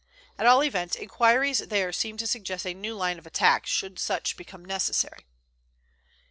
At all events inquiries there seemed to suggest a new line of attack, should such become necessary.